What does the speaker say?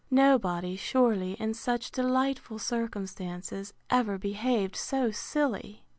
Nobody, surely, in such delightful circumstances, ever behaved so silly!